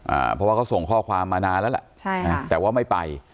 อ่าเพราะว่าเขาส่งข้อความมานานแล้วล่ะใช่ค่ะแต่ว่าไม่ไป